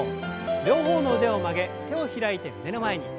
両方の腕を曲げ手を開いて胸の前に。